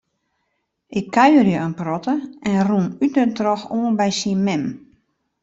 Ik kuiere in protte en rûn út en troch oan by syn mem.